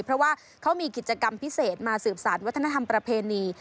เพราะว่าเขามีกิจกรรมพิเศษมาสืบสารวัฒนธรรมประเพณี